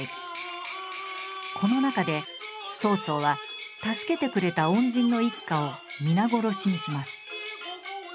この中で曹操は助けてくれた恩人の一家を皆殺しにします。